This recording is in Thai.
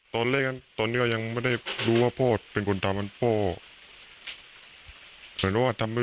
ตอนแรกตอนนี้ก็ยังไม่ได้รู้ว่าพ่อเป็นคนทำเป็นพ่อเหมือนว่าทำไม่